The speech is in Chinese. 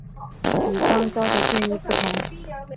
与肛交的定义不同。